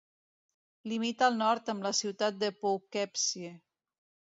Limita al nord amb la ciutat de Poughkeepsie.